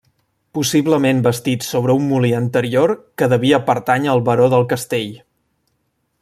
Possiblement bastit sobre un molí anterior que devia pertànyer al baró del castell.